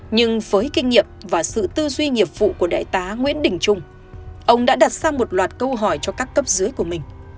nhưng với kinh nghiệm và sự tư duy nghiệp vụ của đại tá nguyễn đình trung ông đã đặt ra một loạt câu hỏi cho các cấp dưới của mình